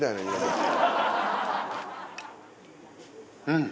うん。